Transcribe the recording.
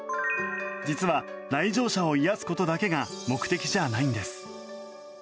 実は、来場者を癒やすことだけが目的じゃないんです。